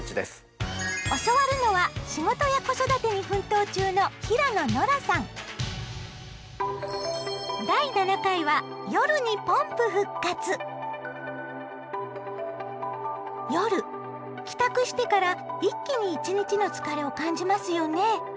教わるのは仕事や子育てに奮闘中の夜帰宅してから一気に一日の疲れを感じますよね。